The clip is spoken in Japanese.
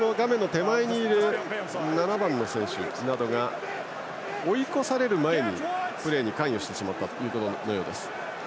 ７番の選手などが追い越される前にプレーに関与してしまったということのようです。